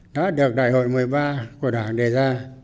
đã được đại hội một mươi ba của đảng đề ra